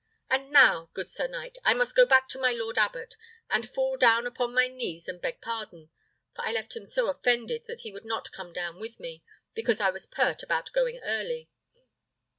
And now, good sir knight, I must go back to my lord abbot, and fall down upon my knees and beg pardon; for I left him so offended that he would not come down with me, because I was pert about going early.